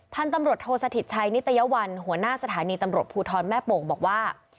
พันธุ์ตำรวจโทษสถิตชัยนิตยวัลหัวหน้าสถานีตำรวจภูทรแม่โป่งบอกว่า